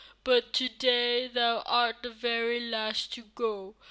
But to day thou art the very last to go.